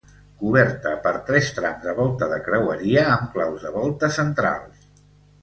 Coberta per tres trams de volta de creueria amb claus de volta centrals.